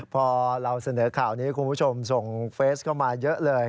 พอเราเสนอข่าวนี้คุณผู้ชมส่งเฟสเข้ามาเยอะเลย